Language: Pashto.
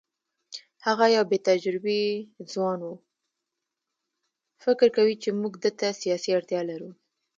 فکر کوي چې موږ ده ته سیاسي اړتیا لرو.